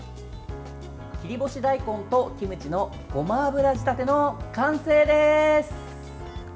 切り干し大根とキムチのごま油仕立ての完成です。